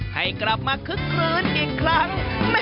ให้กลับมาคึกคลื้นอีกครั้ง